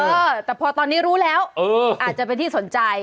เออแต่พอตอนนี้รู้แล้วอาจจะเป็นที่สนใจ